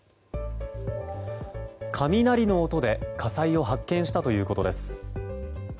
雷の音で火災を発見したということです。